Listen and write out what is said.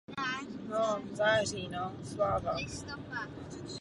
Je zde četná jelení zvěř.